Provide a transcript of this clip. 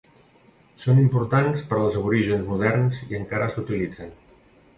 Són importants per als aborígens moderns i encara s'utilitzen.